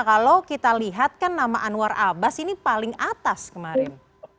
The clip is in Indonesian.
kalau kita lihat kan nama anwar abbas ini paling atas kemarin